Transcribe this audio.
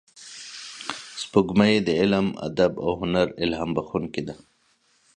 سپوږمۍ د علم، ادب او هنر الهام بخښونکې ده